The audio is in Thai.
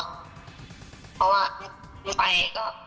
เพราะว่าหลวงพ่อไปก็